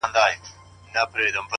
هغه چي په لفظونو کي بې هم پښه وهل’